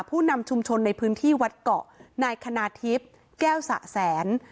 ผู้นำชุมชนในพื้นที่วัดเกาะนายคณาทิพย์แก้วสะแสน